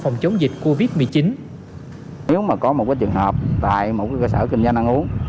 phòng chống dịch covid một mươi chín nếu mà có một trường hợp tại một cơ sở kinh doanh ăn uống